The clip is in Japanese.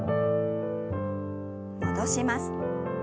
戻します。